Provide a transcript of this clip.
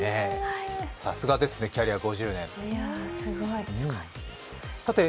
さすがですね、キャリア５０年さて